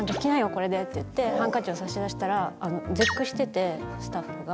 これでって言ってハンカチを差し出したら絶句しててスタッフが。